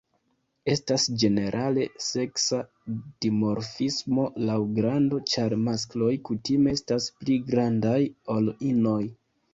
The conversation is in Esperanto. Estas ĝenerale seksa dimorfismo laŭ grando, ĉar maskloj kutime estas pli grandaj ol inoj.